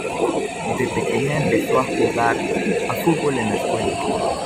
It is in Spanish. De pequeña empezó a jugar a fútbol en la escuela.